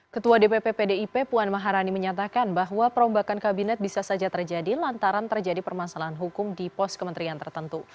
ketua dpp pdip puan maharani menyatakan bahwa perombakan kabinet bisa saja terjadi lantaran terjadi permasalahan hukum di pos kementerian tertentu